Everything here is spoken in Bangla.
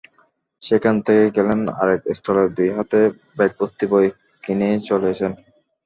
সেখান থেকে গেলেন আরেক স্টলে, দুই হাতে ব্যাগভর্তি বই, কিনেই চলেছেন।